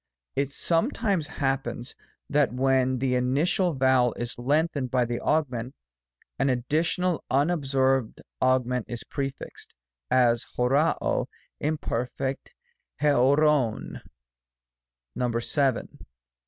It sometimes happens that when the initial vowel is lengthened by the augment, an additional un absorbed augment is prefixed ; as, oqcc cj^ Imper. k coqcov. Vn.